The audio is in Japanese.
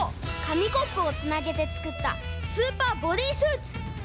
かみコップをつなげてつくったスーパーボディースーツ！